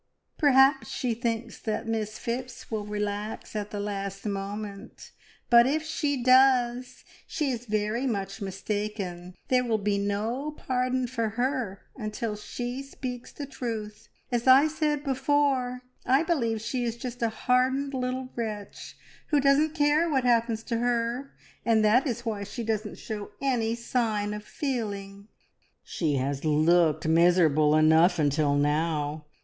"Perhaps she thinks that Miss Phipps will relax at the last moment, but if she does, she is very much mistaken. There will be no pardon for her until she speaks the truth. As I said before, I believe she is just a hardened little wretch who doesn't care what happens to her, and that is why she doesn't show any sign of feeling." "She has looked miserable enough until now.